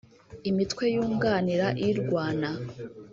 imitwe yunganira irwana